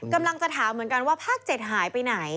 กำลังจะถามเหมือนกันว่าภาค๗หายไปไหน